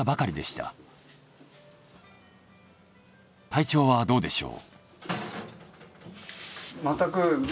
体調はどうでしょう？